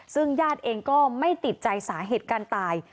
ซึ่งญาติเองก็ไม่ติดใจสาเหตุการตาย